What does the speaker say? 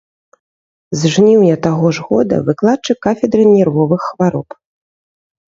З жніўня таго ж года выкладчык кафедры нервовых хвароб.